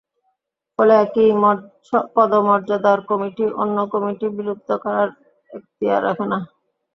ফলে একই পদমর্যাদার কমিটি অন্য কমিটি বিলুপ্ত করার এখতিয়ার রাখে না।